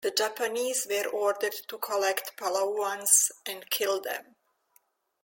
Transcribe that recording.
The Japanese were ordered to collect Palauans and kill them.